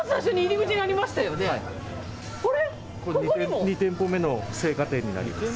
２店舗目の青果店になります。